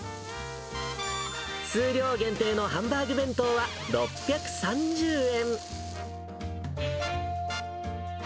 数量限定のハンバーグ弁当は６３０円。